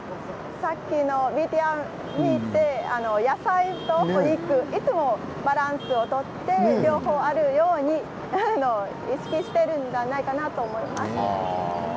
さっきのＶＴＲを見て分かるように野菜とお肉いつもバランスを取って両方あるように意識しているんじゃないかなと思います。